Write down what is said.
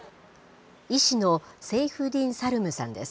医師のセイフディン・サルムさんです。